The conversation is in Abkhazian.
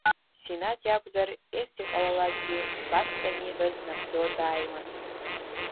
Синаҭ иакәзар, ес-иҟалалакгьы убасҟан ииҳәаз нагӡо дааиуан.